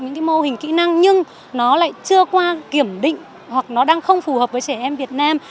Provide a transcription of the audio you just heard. những cái mô hình kỹ năng nhưng nó lại chưa qua kiểm định hoặc nó đang không phù hợp với trẻ em việt nam